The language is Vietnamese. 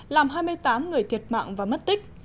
làm hai mươi tám người thiệt mạng và mất tích